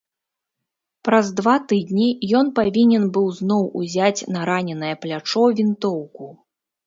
Праз два тыдні ён павінен быў зноў узяць на раненае плячо вінтоўку.